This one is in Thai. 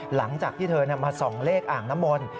หลังจากที่เธอมาส่องเลขอ่างน้ำมนต์